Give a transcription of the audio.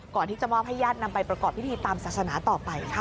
ก่อนที่จะมอบให้ญาตินำไปประกอบพิธีตามศาสนาต่อไปค่ะ